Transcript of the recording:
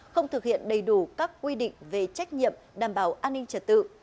không thực hiện đầy đủ các quy định về trách nhiệm đảm bảo an ninh trật tự